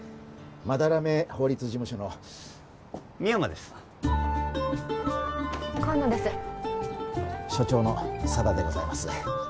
斑目法律事務所の深山ですあっ河野です所長の佐田でございます